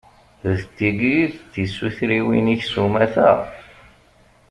D tigi i d tisutriwin-ik s umata?